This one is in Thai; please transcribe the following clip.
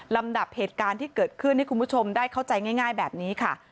ลำดับเหตุการณ์ที่เกิดขึ้นให้คุณผู้ชมได้เข้าใจง่ายแบบนี้ค่ะ